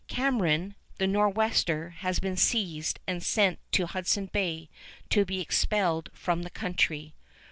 Cameron, the Nor'wester, has been seized and sent to Hudson Bay to be expelled from the country.